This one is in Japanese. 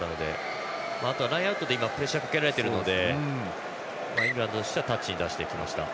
ラインアウトでプレッシャーをかけられてるのでイングランドとしては出してきました。